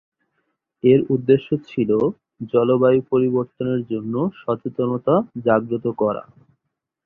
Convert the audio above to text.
এর উদ্দেশ্য ছিল জলবায়ু পরিবর্তনের জন্য সচেতনতা জাগ্রত করা।